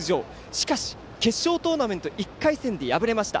しかし、決勝トーナメント１回戦で敗れました。